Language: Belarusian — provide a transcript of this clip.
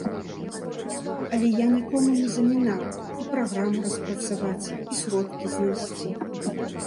Але я нікому не замінаў і праграму распрацаваць, і сродкі знайсці.